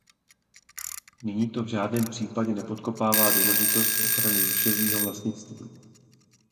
Nyní to v žádném případě nepodkopává důležitost ochrany duševního vlastnictví.